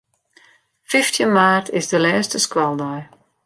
Fyftjin maart is de lêste skoaldei.